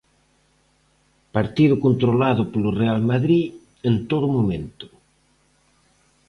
Partido controlado polo Real Madrid en todo momento.